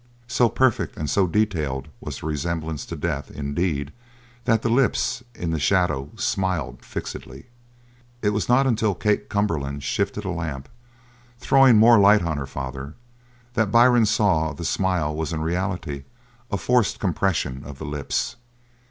So perfect and so detailed was the resemblance to death, indeed, that the lips in the shadow smiled fixedly. It was not until Kate Cumberland shifted a lamp, throwing more light on her father, that Byrne saw that the smile was in reality a forcible compression of the lips.